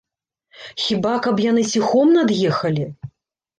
Хіба каб яны ціхом над'ехалі?